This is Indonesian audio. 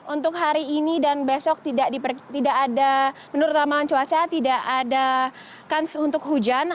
untuk hari ini dan besok tidak ada menurut laman cuaca tidak ada kans untuk hujan